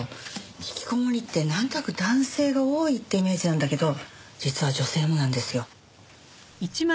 引きこもりってなんとなく男性が多いってイメージなんだけど実は女性もなんですよ。